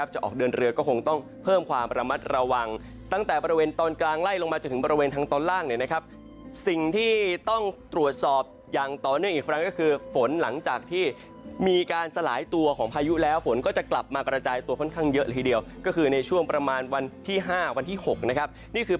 จะออกเดินเรือก็คงต้องเพิ่มความระมัดระวังตั้งแต่บริเวณตอนกลางไล่ลงมาจนถึงบริเวณทางตอนล่างเนี่ยนะครับสิ่งที่ต้องตรวจสอบอย่างต่อเนื่องอีกครั้งก็คือฝนหลังจากที่มีการสลายตัวของพายุแล้วฝนก็จะกลับมากระจายตัวค่อนข้างเยอะเลยทีเดียวก็คือในช่วงประมาณวันที่๕วันที่๖นะครับนี่คือ